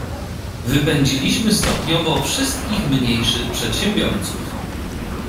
"Wypędziliśmy stopniowo wszystkich mniejszych przedsiębiorców."